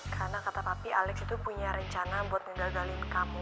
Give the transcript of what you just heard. karena kata papi alex itu punya rencana buat menggalgalin kamu